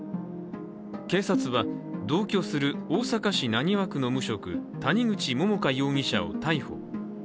警察は同居する大阪市浪速区の無職谷口桃花容疑者を逮捕。